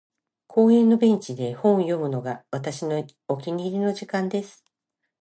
•公園のベンチで本を読むのが、私のお気に入りの時間です。